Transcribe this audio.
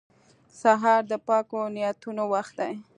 سهار د پاکو نیتونو وخت دی.